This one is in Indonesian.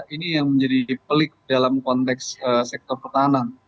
ini yang menjadi pelik dalam konteks sektor pertahanan